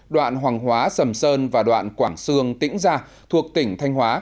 đoạn hoàng hóa sầm sơn và đoạn quảng sương tĩnh gia thuộc tỉnh thanh hóa